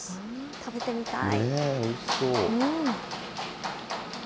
食べてみたい。